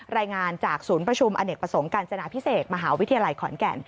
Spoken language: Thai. รายงานจากศูนย์ประชุมอเนกประสงค์การจนาพิเศษมหาวิทยาลัยขอนแก่น